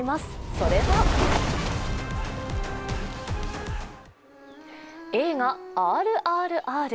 それは映画「ＲＲＲ」。